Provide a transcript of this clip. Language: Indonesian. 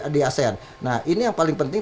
di asean nah ini yang paling penting